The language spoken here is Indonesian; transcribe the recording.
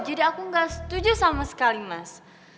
jadi aku gak setuju sama sekali mas